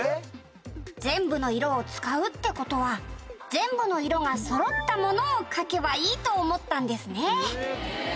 「全部の色を使うって事は全部の色がそろったものを描けばいいと思ったんですね」